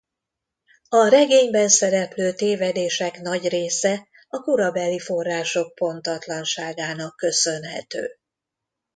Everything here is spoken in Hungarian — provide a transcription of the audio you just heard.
A regényben szereplő tévedések nagy része a korabeli források pontatlanságának köszönhető.